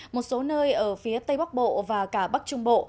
một số nơi ở phía tây bắc bộ và cả bắc trung bộ